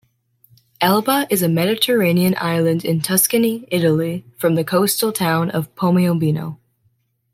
Elba is a Mediterranean island in Tuscany, Italy, from the coastal town of Piombino.